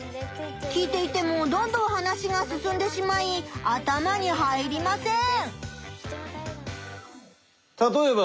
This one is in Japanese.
聞いていてもどんどん話が進んでしまい頭に入りません！